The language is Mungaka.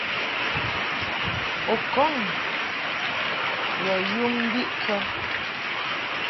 U kɔŋ yɔ yum mbiʼkə?